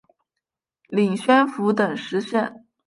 领宣府等十县。